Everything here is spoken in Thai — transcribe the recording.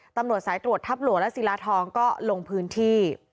ตำรวจสายตรวจทัพหลวงและศิลาทองก็ลงพื้นที่